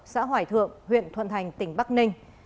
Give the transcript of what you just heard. xã hỏi thượng huyện thuận thành tỉnh bắc ninh